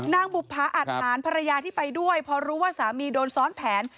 บุภาอาทหารภรรยาที่ไปด้วยพอรู้ว่าสามีโดนซ้อนแผน